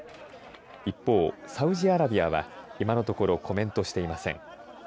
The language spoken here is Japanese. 一方、サウジアラビアは今のところコメントしていません。